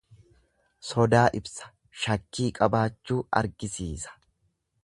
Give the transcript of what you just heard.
Sodaa ibsa, shakkii qabaachuu argisiisa.